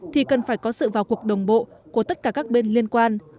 thì cần phải có sự vào cuộc đồng bộ của tất cả các bên liên quan